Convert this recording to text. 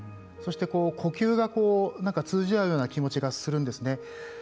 そして、呼吸が通じ合うような気持ちがするんですね。